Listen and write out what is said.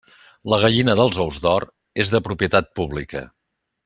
La gallina dels ous d'or és de propietat pública.